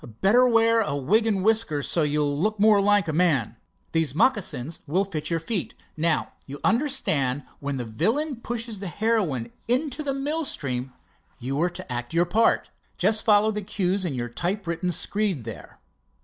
"Better wear a wig and whiskers, so you'll look more like a man. These moccasins will fit your feet. Now, you understand, when the villain pushes the heroine into the mill stream, you are to act your part. Just follow the cues in your typewritten screed there."